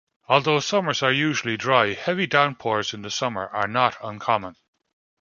Although summers are usually dry, heavy downpours in the summer are not uncommon.